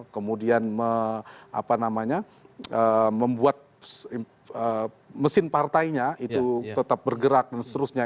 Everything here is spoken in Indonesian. kemudian membuat mesin partainya itu tetap bergerak dan seterusnya